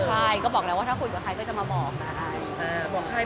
ใช่ก็บอกแล้วว่าถ้าคุยกับใครก็จะมาบอกค่ะ